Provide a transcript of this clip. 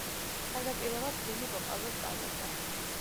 თავდაპირველად ბილი ვოკალზე სწავლობდა.